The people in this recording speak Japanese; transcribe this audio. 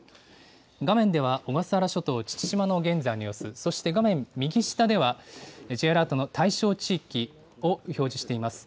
画面では小笠原諸島父島の現在の様子、そして画面右下では、Ｊアラートの対象地域を表示しています。